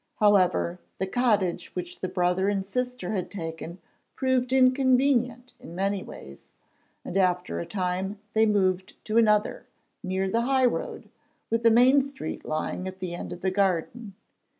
However, the cottage which the brother and sister had taken proved inconvenient in many ways, and after a time they moved to another, near the high road, with the main street lying at the end of the garden.